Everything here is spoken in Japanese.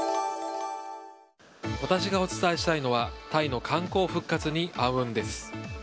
私がお伝えしたいのはタイの観光復活に暗雲です。